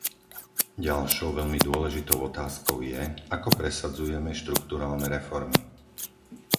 Ďalšou veľmi dôležitou otázkou je, ako presadzujeme štrukturálne reformy?